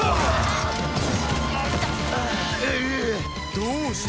どうした？